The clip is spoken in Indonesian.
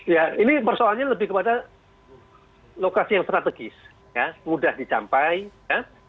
ya ini persoalnya lebih pada lokasi yang strategis mudah dicampai ya